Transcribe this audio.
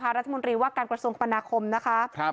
ซึ่งที่รัฐมนธรีวาคกัดกระทรวงประนาคมนะคะ